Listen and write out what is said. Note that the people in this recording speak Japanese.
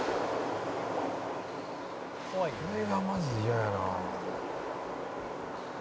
「これがまず嫌やな」